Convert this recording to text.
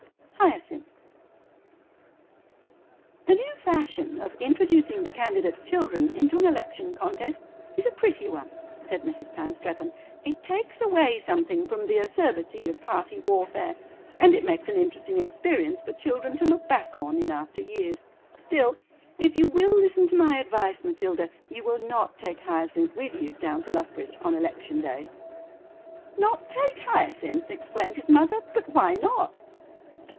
HYACINTH "The new fashion of introducing the candidate's children into an election contest is a pretty one," said Mrs. Panstreppon; "it takes away something from the acerbity of party warfare, and it makes an interesting experience for children to look back on in after years. Still, if you will listen to my advice, Matilda, you will not take Hyacinth with you down to Luffbridge on election day." "Not take Hyacinth!" exclaimed his mother; "but why not?